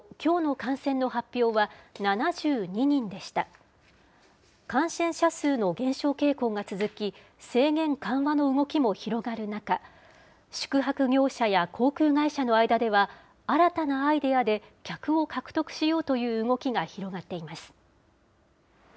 感染者数の減少傾向が続き、制限緩和の動きも広がる中、宿泊業者や航空会社の間では、新たなアイデアで、客を獲得しようという動きが広がっています。